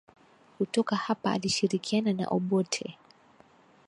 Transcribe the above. Kutoka hapa alishirikiana na Obote